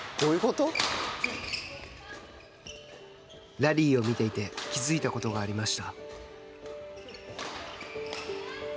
ラリーを見ていて気付いたことがありました。